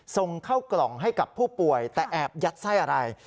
ส่งเข้ากล่องให้กับผู้ป่วยแต่แอบยัดไส้อะไร